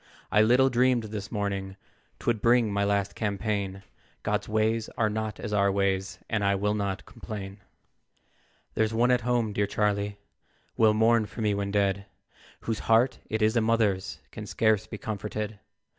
I little dreamed this morning, Twould bring my last campaign; God's ways are not as our ways, And I will not complain. "There's one at home, dear Charlie, Will mourn for me when dead, Whose heart it is a mother's Can scarce be comforted.